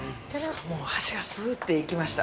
もう箸がスーッていきました。